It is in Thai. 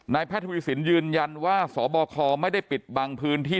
แพทย์ทวีสินยืนยันว่าสบคไม่ได้ปิดบังพื้นที่